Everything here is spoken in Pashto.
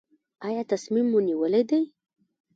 ایا تصمیم مو نیولی دی؟